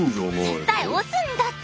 絶対押すんだって！